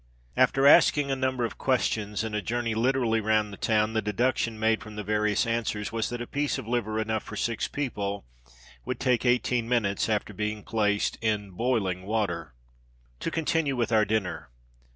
After asking a number of questions, and a journey literally "round the town," the deduction made from the various answers was that a piece of liver enough for six people would take eighteen minutes, after being placed in boiling water. To continue with our dinner.